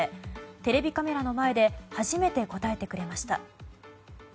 テレビカメラの前で初めて答えてくれました。